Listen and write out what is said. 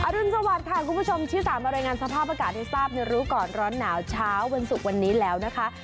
รุนสวัสดิ์ค่ะคุณผู้ชมที่สามมารายงานสภาพอากาศให้ทราบในรู้ก่อนร้อนหนาวเช้าวันศุกร์วันนี้แล้วนะคะ